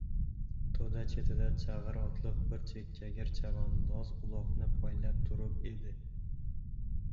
To‘da chetida chag‘ir otliq bir chekkagir chavandoz uloqni poylab turib edi